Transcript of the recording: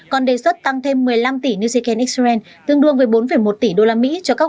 còn đề xuất tăng thêm một mươi năm tỷ new second israel tương đương với bốn một tỷ đô la mỹ cho các hoạt động quân sự